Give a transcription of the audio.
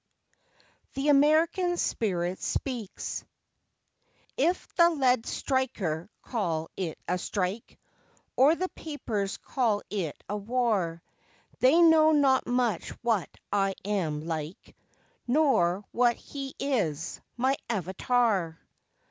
The American Spirit speaks: If the Led Striker call it a strike, Or the papers call it a war, They know not much what I am like, Nor what he is, my Avatar.